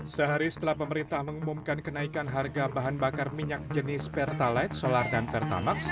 sehari setelah pemerintah mengumumkan kenaikan harga bahan bakar minyak jenis pertalite solar dan pertamax